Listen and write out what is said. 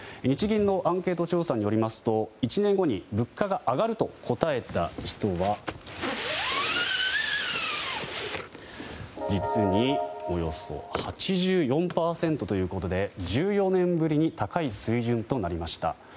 日銀のアンケート調査によりますと１年後に物価が上がると答えた人は実におよそ８４％ということで１４年ぶりに高い水準となりました。